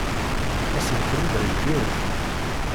Ad sen-ten-id-heggin?